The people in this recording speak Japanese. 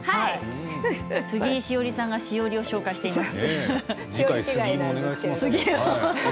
杉井志織さんが詩織を紹介しています。